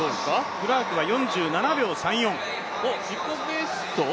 クラークは４７秒３４。